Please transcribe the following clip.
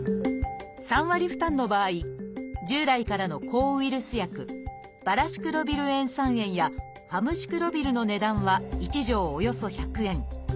３割負担の場合従来からの抗ウイルス薬「バラシクロビル塩酸塩」や「ファムシクロビル」の値段は１錠およそ１００円。